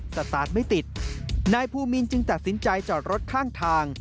สตาร์ทไม่ติดนายภูมินจึงตัดสินใจจอดรถข้างทาง